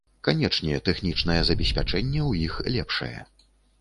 Канечне, тэхнічнае забеспячэнне ў іх лепшае.